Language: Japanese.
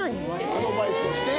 アドバイスとして。